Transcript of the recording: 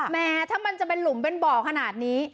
แม้ถ้ามันจะเป็นหลุมเป็นบ่อขนาดนี้